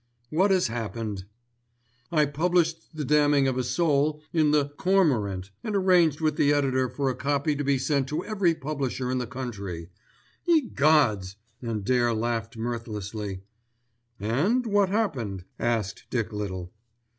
"What has happened?" "I published The Damning of a Soul in The Cormorant, and arranged with the editor for a copy to be sent to every publisher in the country. Ye gods!" and Dare laughed mirthlessly. "And what happened!" asked Dick Little.